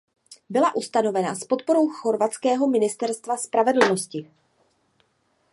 Byla ustavena s podporou Chorvatského ministerstva spravedlnosti.